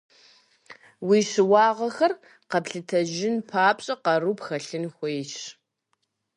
Уи щыуагъэхэр къэплъытэжын папщӏэ къару пхэлъын хуейщ.